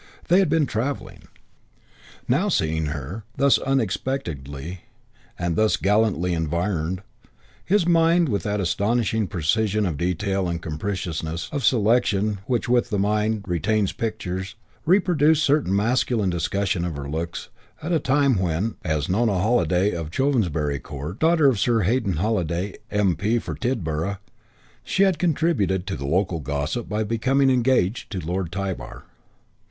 They had been travelling. Now seeing her, thus unexpectedly and thus gallantly environed, his mind, with that astonishing precision of detail and capriciousness of selection with which the mind retains pictures, reproduced certain masculine discussion of her looks at a time when, as Nona Holiday of Chovensbury Court, daughter of Sir Hadden Holiday, M.P. for Tidborough, she had contributed to local gossip by becoming engaged to Lord Tybar.